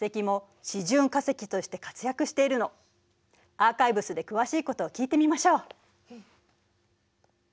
アーカイブスで詳しいことを聞いてみましょう。